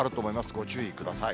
ご注意ください。